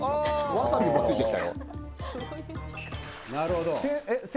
わさびもついてきたよ。